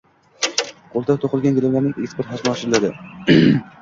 Qo‘lda to‘qilgan gilamlarning eksport hajmi oshirilading